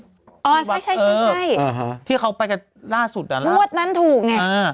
อ๋อใช่ใช่ใช่ใช่เออที่เขาไปกับล่าสุดอ่ะวัดนั้นถูกไงอ่า